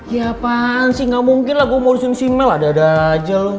ya apaan sih gak mungkin lah gue modusin si mel ada ada aja lo